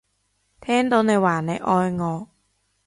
聽到你話你愛我